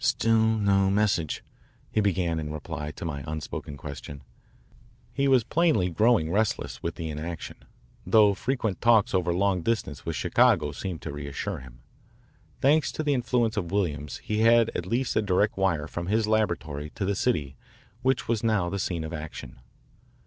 "Still no message," he began in reply to my unspoken question. He was plainly growing restless with the inaction, though frequent talks over long distance with Chicago seemed to reassure him. Thanks to the influence of Williams he had at least a direct wire from his laboratory to the city which was now the scene of action.